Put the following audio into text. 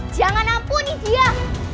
jangan ampuni dia